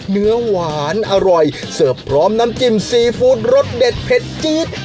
เนื้อหวานอร่อยเสิร์ฟพร้อมน้ำจิ้มซีฟู้ดรสเด็ดเผ็ดจี๊ด